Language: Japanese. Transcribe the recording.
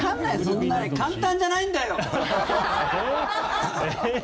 そんなに簡単じゃないんだよ！